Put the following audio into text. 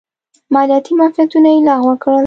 مالیاتي معافیتونه یې لغوه کړل.